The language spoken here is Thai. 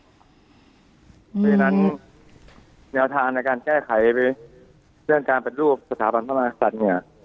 เพราะฉะนั้นแนวทางในการแก้ไขเรื่องการเป็นรูปสถาบันทมันอังกษัตริย์